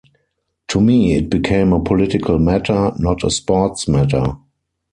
To me, it became a political matter, not a sports matter.